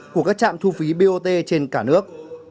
của các trạm thu phí bot trên cả nước